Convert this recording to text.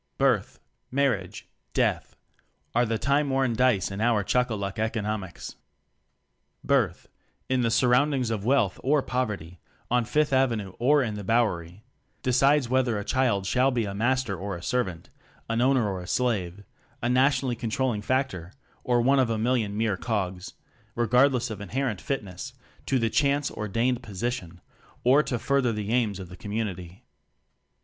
Birth, Marriage, Death, are the time worn dice in our chuck a luck economics. Birth, in surroundings of wealth or poverty on Fifth Avenue or in the Bowery decides whether a child shall be a Master or a Servant, an owner or a slave, a nationally con trolling factor or one of a million mere "cogs," regardless of inherent fitness to the "chance" ordained position, or to further the aims of the community.